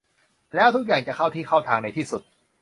แล้วทุกอย่างจะเข้าที่เข้าทางในที่สุด